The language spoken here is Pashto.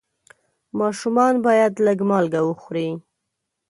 ماشومان باید لږ مالګه وخوري.